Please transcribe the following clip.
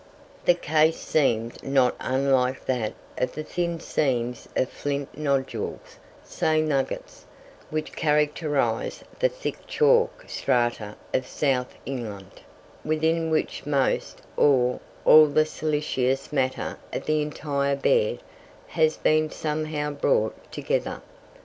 The case seemed not unlike that of the thin seams of flint nodules (say nuggets) which characterize the thick chalk strata of South England, within which most or all the silicious matter of the entire bed has been somehow brought together.